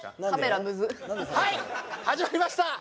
はい始まりました。